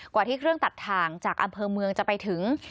กว่าที่เครื่องตัดถ่างจากอำเภอเมืองจะไปถึง